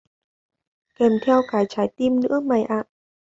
kèm theo cái trái tim nữa mày ạ